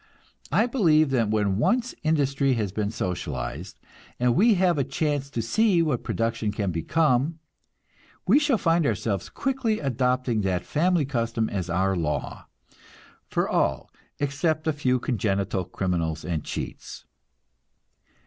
I believe that when once industry has been socialized, and we have a chance to see what production can become, we shall find ourselves quickly adopting that family custom as our law, for all except a few congenital criminals and cheats.